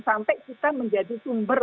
sampai kita menjadi sumber